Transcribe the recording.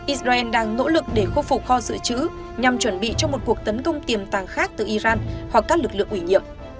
israel đang nỗ lực để khôi phục kho dự trữ nhằm chuẩn bị cho một cuộc tấn công tiềm tàng khác từ iran hoặc các lực lượng ủy nhiệm